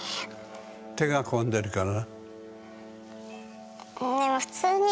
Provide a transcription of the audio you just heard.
手が込んでるから？